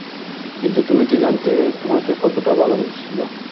কিন্তু তুমি কি জানতে তোমাকে কতটা ভালোবেসেছিল?